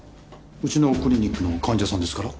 うちのクリニックの患者さんですから。